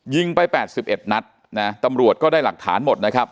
ยิงไปแปดสิบเอ็ดนัดนะตำรวจก็ได้หลักฐานหมดนะครับ